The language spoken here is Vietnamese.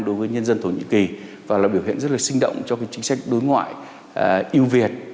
đối với nhân dân thổ nhĩ kỳ và là biểu hiện rất là sinh động cho chính sách đối ngoại yêu việt